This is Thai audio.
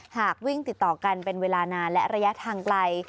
หากวิ่งติดต่อกันเป็นเวลานานและระยะทางไกล